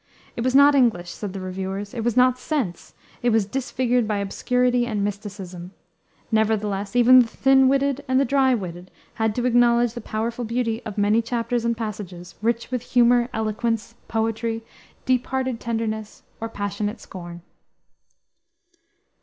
It was not English, said the reviewers; it was not sense; it was disfigured by obscurity and "mysticism." Nevertheless even the thin witted and the dry witted had to acknowledge the powerful beauty of many chapters and passages, rich with humor, eloquence, poetry, deep hearted tenderness, or passionate scorn.